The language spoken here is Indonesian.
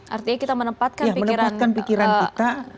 artinya kita menempatkan pikiran pikiran kita